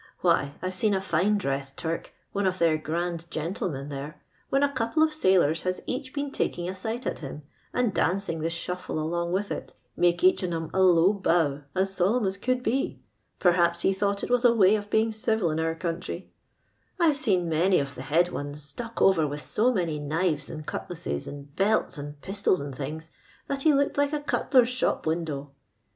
Why, I've seen a fine dressed Turk, one of their grand gentlemen there^ when a couple of sailors has each been taking • sight at him, and dancing the shuffle aloog witli it, make each on 'em a low bow, as solemn as ctmld be. Perhaps he thought it was avaj" of being civil in our country 1 I've seen some of tlie head ones stuck over with so bmot knives, and cutlasses, and belts, and pistol^ an<l things, that he looked like a cutler's shop window.